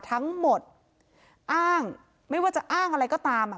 ทั้งหมดอ้างไม่ว่าจะอ้างอะไรก็ตาม